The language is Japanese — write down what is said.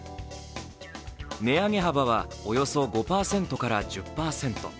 値上げ幅はおよそ５％から１０％。